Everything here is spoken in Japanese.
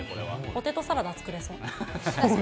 ポテトサラダ作れそう。